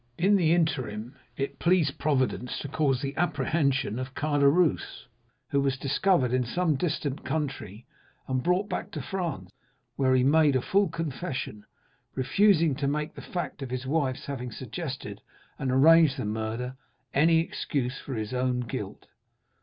"In the interim it pleased Providence to cause the apprehension of Caderousse, who was discovered in some distant country, and brought back to France, where he made a full confession, refusing to make the fact of his wife's having suggested and arranged the murder any excuse for his own guilt.